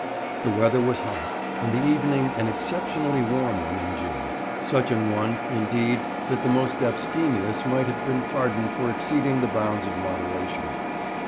The weather was hot, and the evening an exceptionally warm one in June, such an one, indeed, that the most abstemious might have been pardoned for exceeding the bounds of moderation.